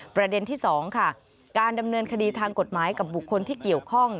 ประเด็นที่๒ค่ะการดำเนินคดีทางกฎหมายกับบุคคลที่เกี่ยวข้อง